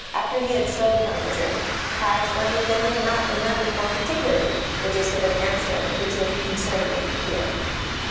After he had started on the journey Caius wondered that he had not remembered more particularly the gist of an answer which it concerned him to hear.